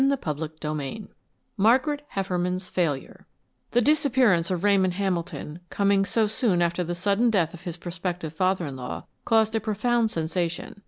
CHAPTER X MARGARET HEFFERMAN'S FAILURE The disappearance of Ramon Hamilton, coming so soon after the sudden death of his prospective father in law, caused a profound sensation.